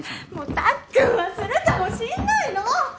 たっくんはするかもしんないの！